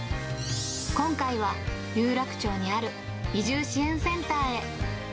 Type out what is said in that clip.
今回は有楽町にある移住支援センターへ。